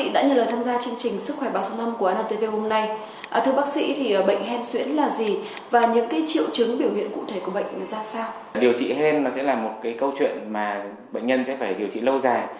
điều trị hen sẽ là một câu chuyện mà bệnh nhân sẽ phải điều trị lâu dài